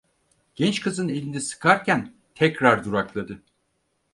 Genç kızın elini sıkarken tekrar durakladı.